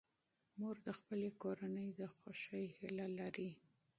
مور د خپلې کورنۍ د خوښۍ هیله لري.